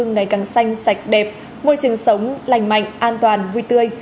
ngày càng xanh sạch đẹp môi trường sống lành mạnh an toàn vui tươi